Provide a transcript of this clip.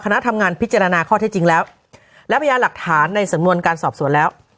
คณะทำงานพิจารณาข้อเท็จจริงแล้วและพยานหลักฐานในสำนวนการสอบสวนแล้ว